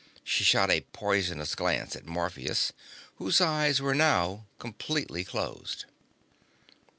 She shot a poisonous glance at Morpheus, whose eyes were now completely closed.